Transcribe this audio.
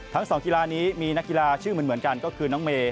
๒กีฬานี้มีนักกีฬาชื่อเหมือนกันก็คือน้องเมย